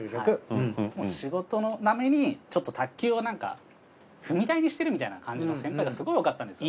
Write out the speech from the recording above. もう仕事のためにちょっと卓球をなんか踏み台にしてるみたいな感じの先輩がすごい多かったんですよね。